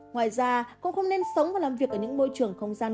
ngoài ra cũng không nên sống và làm việc ở những môi trường không gian